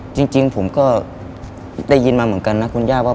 จริงผมก็ได้ยินมาเหมือนกันนะคุณย่าว่า